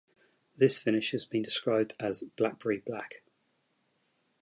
This finish has been described as "blackberry black".